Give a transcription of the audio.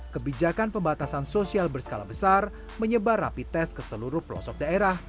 kebijakan pembatasan sosial berskala besar menyebar rapi tes ke seluruh pelosok daerah